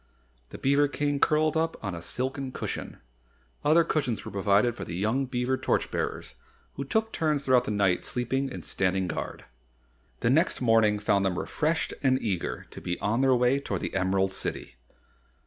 The beaver King curled up on a silken cushion. Other cushions were provided for the young beaver torch bearers who took turns throughout the night sleeping and standing guard. The next morning found them refreshed and eager to be on their way toward the Emerald City.